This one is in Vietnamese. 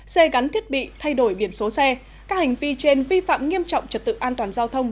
xe gắn thiết bị thay đổi biển số xe các hành vi trên vi phạm nghiêm trọng trật tự an toàn giao thông